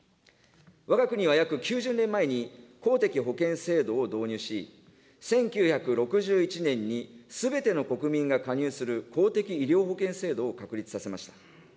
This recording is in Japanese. わが国は約９０年前に、公的保険制度を導入し、１９６１年にすべての国民が加入する公的医療保険制度を確立させました。